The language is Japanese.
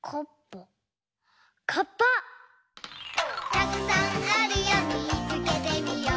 「たくさんあるよみつけてみよう」